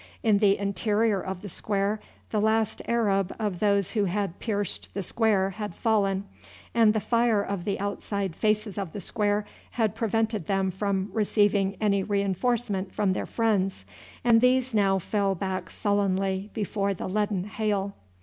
In the interior of the square the last Arab of those who had pierced the square had fallen, and the fire of the outside faces of the square had prevented them from receiving any reinforcement from their friends, and these now fell back sullenly before the leaden hail.